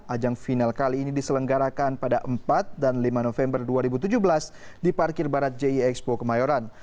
ajang final kali ini diselenggarakan pada empat dan lima november dua ribu tujuh belas di parkir barat jie expo kemayoran